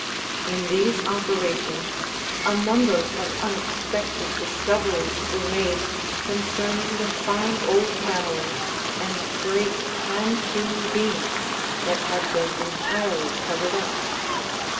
In these operations a number of unexpected discoveries were made concerning the fine old paneling and great, hand hewn beams that had been entirely covered up.